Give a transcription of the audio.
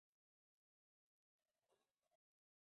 mijini na tasnia Teknolojia ya skanning ya laser